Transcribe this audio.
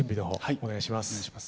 お願いします。